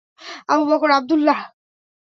Abu Bakr Abdullah!